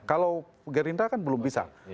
kalau gerindra kan belum bisa